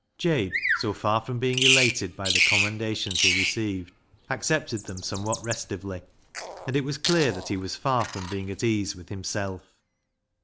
Jabe, so far from being elated by the com mendations he received, accepted them somewhat 48 BECKSIDE LIGHTS restivelx', and it was clear that he was far from being at ease with himself.